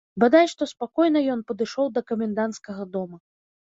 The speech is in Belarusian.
Бадай што спакойна ён падышоў да каменданцкага дома.